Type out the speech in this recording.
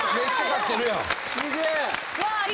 すげえ！